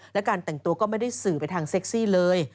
และการแต่งตัวก็ไม่ได้สื่อไปทางเซ็กซี่เลย